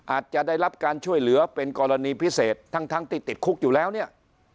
อาจจะได้รับการช่วยเหลือเป็นกรณีพิเศษทั้งที่ติดคุกอยู่แล้วเนี่ย